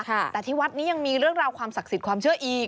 แต่ที่วัดนี้ยังมีเรื่องราวความศักดิ์สิทธิ์ความเชื่ออีก